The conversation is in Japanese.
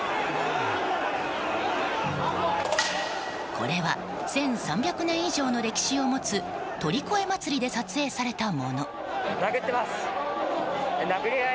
これは１３００年以上の歴史を持つ鳥越まつりで撮影されたもの。